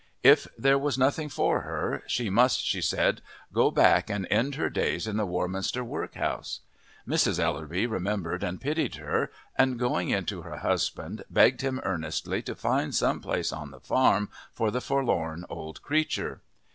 If there was nothing for her she must, she said, go back and end her days in the Warminster workhouse. Mrs. Ellerby remembered and pitied her, and going in to her husband begged him earnestly to find some place on the farm for the forlorn old creature.